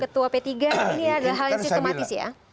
walaupun dikatakan oleh ketua p tiga ini adalah hal yang sistematis ya